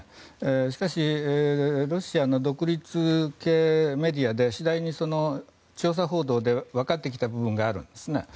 しかし、ロシアの独立系メディアで次第に調査報道で分かってきた部分があるんですね。